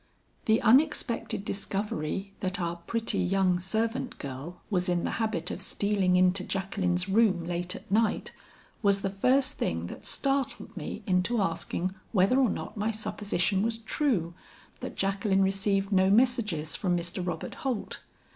"The unexpected discovery that our pretty young servant girl was in the habit of stealing into Jacqueline's room late at night, was the first thing that startled me into asking whether or not my supposition was true, that Jacqueline received no messages from Mr. Robert Holt.